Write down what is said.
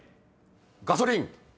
「ガソリン」！